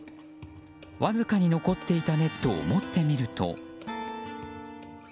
わずかに残っていたネットを持ってみると。